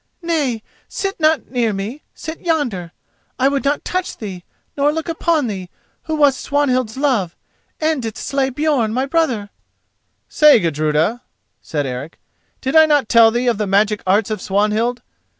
"Nay, sit not near me; sit yonder. I would not touch thee, nor look upon thee, who wast Swanhild's love, and didst slay Björn my brother." "Say, Gudruda," said Eric, "did I not tell thee of the magic arts of Swanhild?